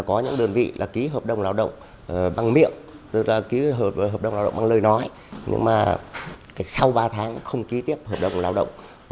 chúng tôi ký hợp đồng lao động bằng lời nói nhưng mà sau ba tháng không ký tiếp hợp đồng lao động